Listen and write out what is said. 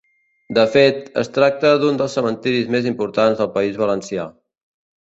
De fet, es tracta d'un dels cementeris més importants del País Valencià.